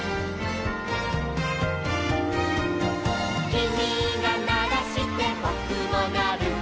「きみがならしてぼくもなる」